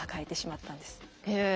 へえ。